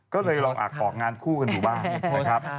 ก็เลยออกงานคู่กันถูกบ้าง